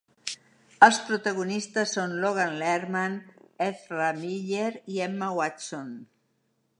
Els protagonistes són Logan Lerman, Ezra Miller i Emma Watson.